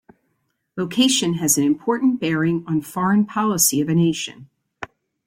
Location has an important bearing on foreign policy of a nation.